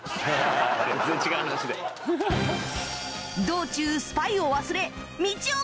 道中スパイを忘れみちお